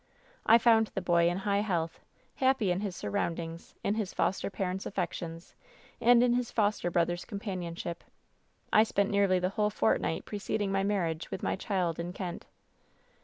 "I found the boy in high health, happy in his sur roundings, in his foster parents' affections, and in his foster brother's companionship. I spent nearly the whole fortnight preceding my marriage with my child in Kent.